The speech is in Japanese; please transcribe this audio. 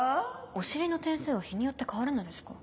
お尻の点数は日によって変わるのですか？